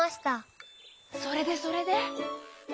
それでそれで？